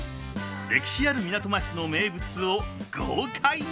歴史ある港町の名物を豪快に！